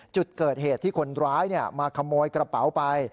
จุดเกิดเหตุที่คนร้ายมาขโมยกระเป๋าไป